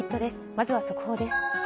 まずは速報です。